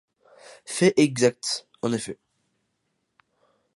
Fait exact, en effet.